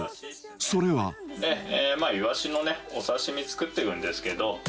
それはでイワシのお刺身作っていくんですけど。